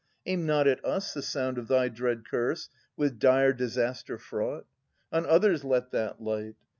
Aim not at us the sound Of thy dread curse with dire disaster fraught. On others let that light!